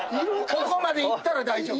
ここまでいったら大丈夫。